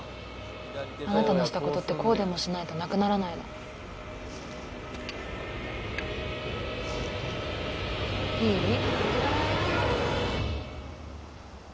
あなたのしたことってこうでもしないとなくならないのいい？